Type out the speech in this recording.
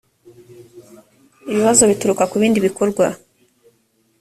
ibibazo bituruka ku bindi bikorwa